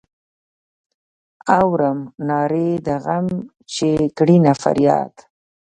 اورم نارې د غم چې کړینه فریاد.